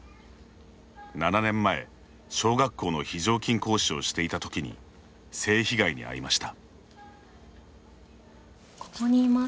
７年前、小学校の非常勤講師をしていたときに性被害に遭いました。